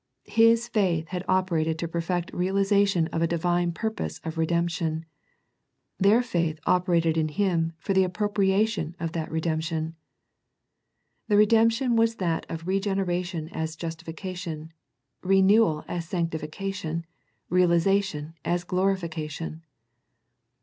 His faith had operated to perfect realization of a Divine purpose of redemption. Their faith operated in Him for the appropriation of that redemption. The redemption was that of re generation as justification, renewal as sancti fication, realization as glorification.